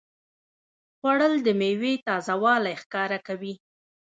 خوړل د میوې تازهوالی ښکاره کوي